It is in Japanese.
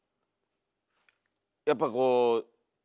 やっぱこう。